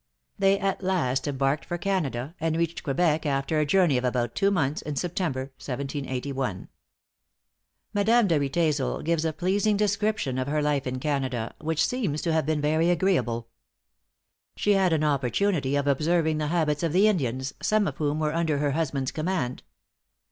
They at last embarked for Canada, and reached Quebec after a journey of about two months, in September, 1781. Madame de Riedesel gives a pleasing description of her life in Canada, which seems to have been very agreeable. She had an opportunity of observing the habits of the Indians, some of whom were under her husband's command.